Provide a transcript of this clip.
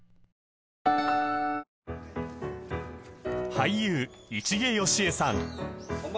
俳優市毛良枝さん